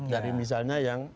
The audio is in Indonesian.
dari misalnya yang